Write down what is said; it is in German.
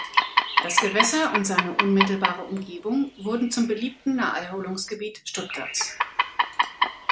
Das Gewässer und seine unmittelbare Umgebung wurden zum beliebten Naherholungsgebiet Stuttgarts.